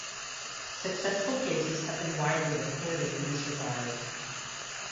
Successful cases have been widely reported in this regard.